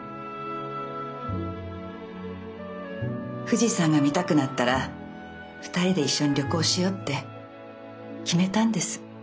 富士山が見たくなったら二人で一緒に旅行しようって決めたんです。